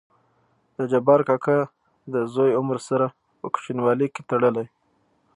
دجبار کاکا دزوى عمر سره په کوچينوالي کې تړلى.